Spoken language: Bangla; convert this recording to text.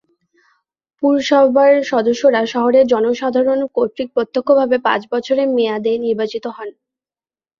পুরসভার সদস্যরা শহরের জনসাধারণ কর্তৃক প্রত্যক্ষভাবে পাঁচ বছরের মেয়াদে নির্বাচিত হন।